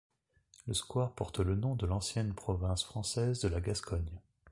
Le square porte le nom de l'ancienne province française de la Gascogne.